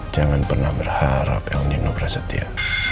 jangan pernah berharap el nino prasetya